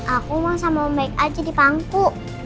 aku sama om maik aja dipangku